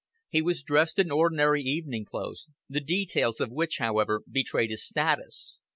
He was dressed in ordinary evening clothes, the details of which, however, betrayed his status.